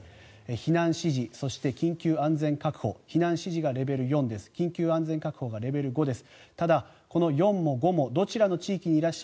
避難指示、そして緊急安全確保避難指示がレベル４です緊急安全確保がレベル５です。